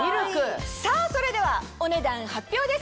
さぁそれではお値段発表です。